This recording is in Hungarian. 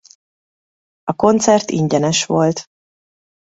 A koncert ingyenes volt.